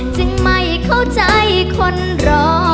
จึงไม่เข้าใจคนรอ